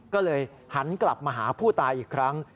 ก็เลยหันกลับมาหาผู้ตายอีกครั้ง